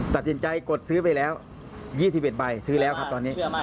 ตัดสินใจกดซื้อไปแล้ว๒๑ใบซื้อแล้วครับตอนนี้